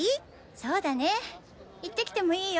そうだね行ってきてもいいよ！